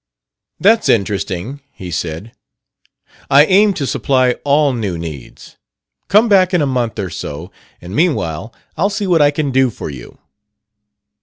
"'That's interesting,' he said. 'I aim to supply all new needs. Come back in a month or so, and meanwhile I'll see what I can do for you.'